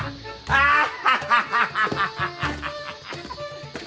ああ。